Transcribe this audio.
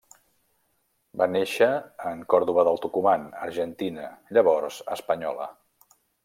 Va néixer en Córdoba del Tucumán, Argentina, llavors espanyola.